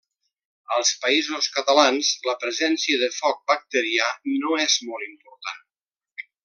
Als Països Catalans, la presència de foc bacterià no és molt important.